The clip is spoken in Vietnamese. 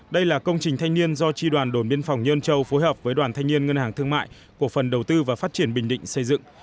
đây là công trình thanh niên do tri đoàn đồn biên phòng nhân châu phối hợp với đoàn thanh niên ngân hàng thương mại cổ phần đầu tư và phát triển bình định xây dựng